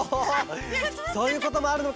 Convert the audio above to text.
そういうこともあるのか！